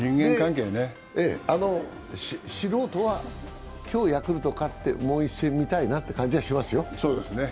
素人は今日ヤクルト勝って、もう１試合見たいなという感じはしますよ。